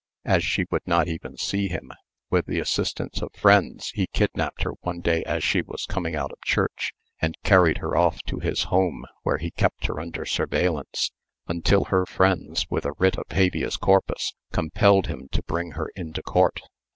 As she would not even see him, with the assistance of friends he kidnaped her one day as she was coming out of church, and carried her to his home, where he kept her under surveillance until her friends, with a writ of habeas corpus, compelled him to bring her into court.